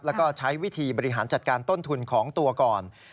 แล้วก็ใช้วิธีบริหารจัดการต้นทุนของตัวก่อน